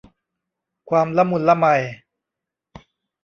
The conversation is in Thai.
ความละมุนละไม